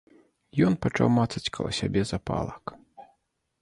Ён пачаў мацаць каля сябе запалак.